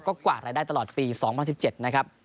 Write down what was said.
ก็กวาดรายได้ตลอดปี๒๐๑๗นะครับ